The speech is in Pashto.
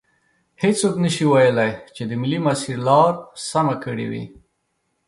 هیڅوک نشي ویلی چې د ملي مسیر لار سمه کړي وي.